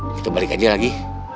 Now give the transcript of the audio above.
kita balik aja lagi